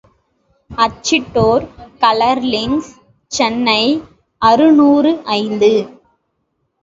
அச்சிட்டோர் colour links, Chennai அறுநூறு ஐந்து.